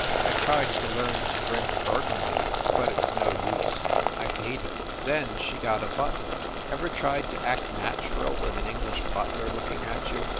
I tried to learn to drink Burgundy but it s no use I hate it ! Then she got a butler. Ever tried to act natural with an English butler looking at you?